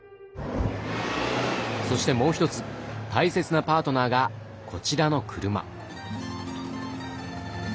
そしてもうひとつ大切なパートナーがこちらの車。